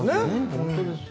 本当ですよ。